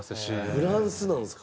フランスなんですか。